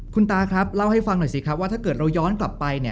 คุณตาครับเล่าให้ฟังหน่อยสิครับว่าถ้าเกิดเราย้อนกลับไป